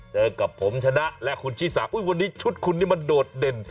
เจอกับผมชนะและคุณชิสาอุวันนี้ชุดคุณนี่มันโดดเด่น